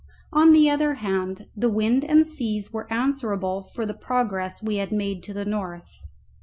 On the other hand, the wind and seas were answerable for the progress we had made to the north.